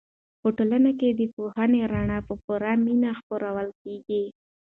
په ټولنه کې د پوهې رڼا په پوره مینه خپرول کېږي.